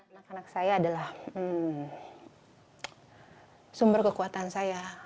anak anak saya adalah sumber kekuatan saya